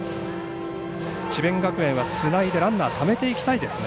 智弁学園はつないで、ランナーをためていきたいですね。